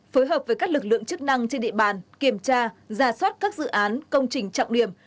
phối hợp với các lực lượng chức năng trên địa bàn kiểm tra giả soát các dự án công trình trọng điểm